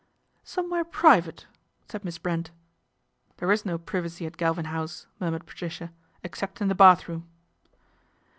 " Somewhere private," said Miss Brent. ' There is no privacy at Galvin House," mur mured Patricia, " except in the bathroom."